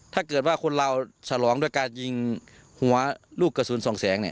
ถ้าเกิดว่าที่เราฉลองด้วยการยิงหัวลูกเกษิญส่องแสงนะ